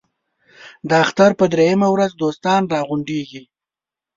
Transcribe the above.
د اختر په درېیمه ورځ دوستان را غونډېږي.